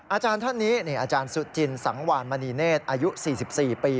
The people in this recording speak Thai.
อาจารย์ท่านนี้อาจารย์สุจินสังวานมณีเนธอายุ๔๔ปี